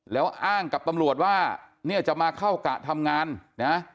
แล้วอ้างกับตำรวจว่าเนี่ยจะมาเข้ากะทำงานนะ